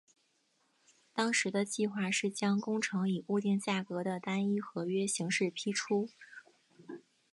当时的计划是将工程以固定价格的单一合约形式批出。